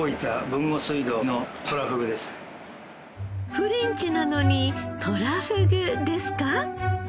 フレンチなのにトラフグですか？